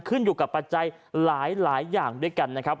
ขึ้นอยู่กับปัจจัยหลายอย่างด้วยกันนะครับ